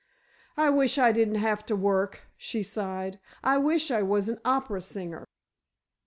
"I wish I didn't have to work," she sighed; "I wish I was an opera singer."